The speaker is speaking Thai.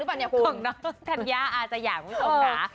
เออน่ะของน้องธัญญาอาจจะอยากมึงส่งหา